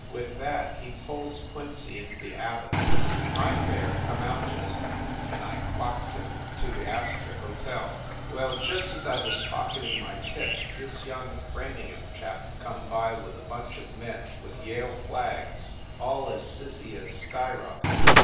With that he pulls Quincy into the Abbots . My fare come out just then, and I clocked him to the., Astor Hotel. 248 FIND THE WOMAN Well, just as I was pocketing my tip, this young Framingham chap come by with a bunch of men with Yale flags, all as sizzy as sky rockets.